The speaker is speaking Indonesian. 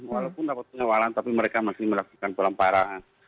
walaupun mendapat penyewalan tapi mereka masih melakukan peramparan